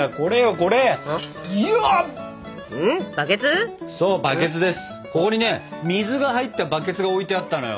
ここにね水が入ったバケツが置いてあったのよ。